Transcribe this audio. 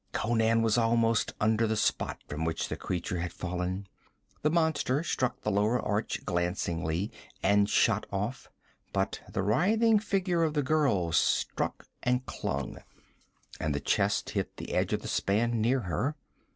Conan was almost under the spot from which the creature had fallen. The monster struck the lower arch glancingly and shot off, but the writhing figure of the girl struck and clung, and the chest hit the edge of the span near her.